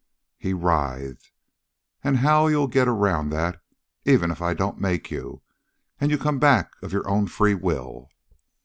He writhed. "And how'll you get around that, even if I don't make you, and you come back of your own free will?"